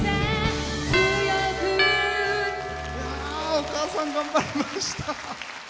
お母さん頑張りました。